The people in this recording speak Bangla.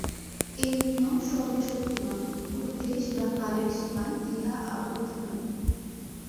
এই নিয়ম সর্বশক্তিমান্, কোন দেশ বা কালের সীমায় ইহা আবদ্ধ নয়।